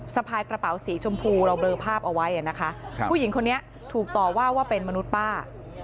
สะพายกระเป๋าสีชมพูเราเบลอภาพเอาไว้นะคะผู้หญิงคนนี้ถูกต่อว่าว่าเป็นมนุษย์ป้า